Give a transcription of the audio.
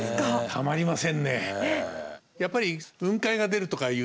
たまりませんね。